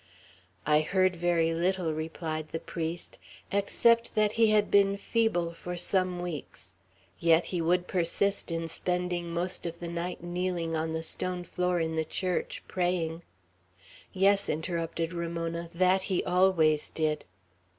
"I heard very little," replied the Father, "except that he had been feeble for some weeks; yet he would persist in spending most of the night kneeling on the stone floor in the church, praying." "Yes," interrupted Ramona; "that he always did."